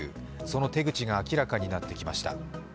その手口が明らかになってきました。